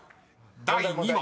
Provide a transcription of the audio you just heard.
第２問］